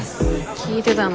聞いてたの？